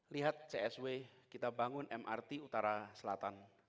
lihat csw kita bangun mrt utara selatan